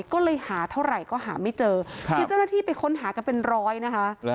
ก็เลยหาเท่าไหร่ก็หาไม่เจอคือเจ้าหน้าที่ไปค้นหากันเป็นร้อยนะคะ